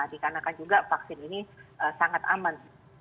dikarenakan juga vaksin ini sangat aman